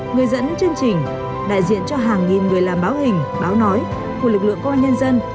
người dẫn chương trình đại diện cho hàng nghìn người làm báo hình báo nói của lực lượng công an nhân dân